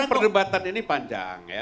perdebatan ini panjang